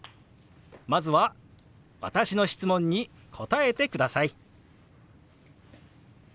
まずは私の質問に答えてください。